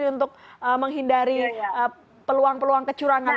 untuk menghindari peluang peluang kecurangan